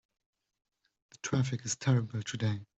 The traffic is terrible today.